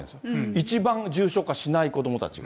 一番重症化しない子どもたちが。